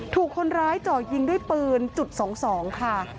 ถูกคนร้ายเจาะยิงด้วยปืนจุด๒๒ค่ะ